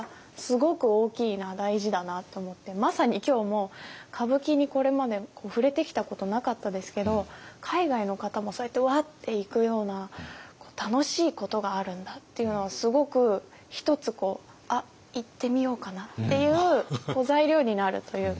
まさに今日も歌舞伎にこれまで触れてきたことなかったですけど海外の方もそうやってうわって行くような楽しいことがあるんだっていうのはすごく一つ「あっ行ってみようかな」っていう材料になるというか。